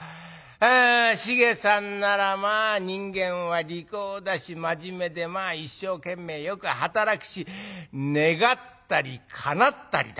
あ繁さんならまあ人間は利口だし真面目で一生懸命よく働くし願ったりかなったりだ。